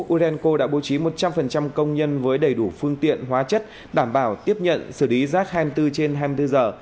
urenco đã bố trí một trăm linh công nhân với đầy đủ phương tiện hóa chất đảm bảo tiếp nhận xử lý rác hai mươi bốn trên hai mươi bốn giờ